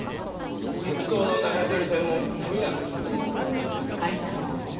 鉄道の流し撮り専門富永。